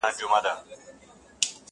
جادوګر ویل زما سر ته دي امان وي؛